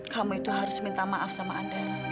kamu itu harus minta maaf sama anda